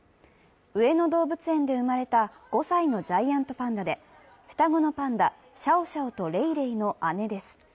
上野動物園で生まれた５歳のジャイアントパンダで双子のパンダ、シャオシャオとレイレイの姉です。